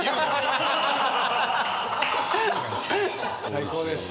最高です。